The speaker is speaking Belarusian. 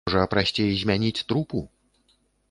Можа, прасцей змяніць трупу?